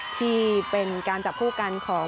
ที่เป็นการจับคู่กันของ